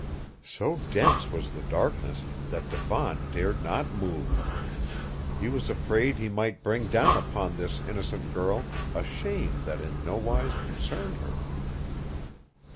So dense was the darkness that Devant dared not move. He was afraid he might bring down upon this innocent girl a shame that in nowise concerned her.